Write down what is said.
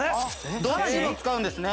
どっちも使うんですね。